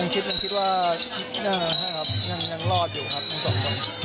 ฉันคิดว่ายังรอดอยู่ครับในศพ